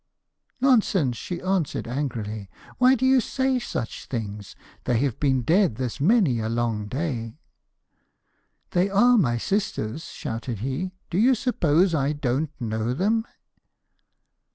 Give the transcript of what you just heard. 'Nonsense!' she answered angrily. 'Why do you say such things? They have been dead this many a long day.' 'They are my sisters,' shouted he. 'Do you suppose I don't know them?'